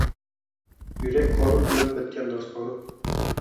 Yurak qonim bilan bitgan dostonim